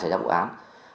trải ra vụ án